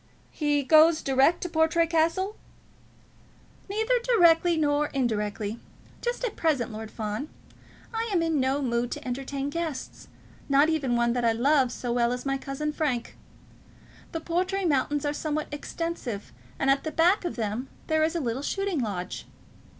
"He goes direct to Portray Castle?" "Neither directly nor indirectly. Just at present, Lord Fawn, I am in no mood to entertain guests, not even one that I love so well as my cousin Frank. The Portray mountains are somewhat extensive, and at the back of them there is a little shooting lodge."